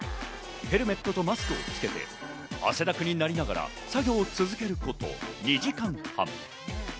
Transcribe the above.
ヘルメットとマスクをつけて、汗だくになりながら作業を続けること２時間半。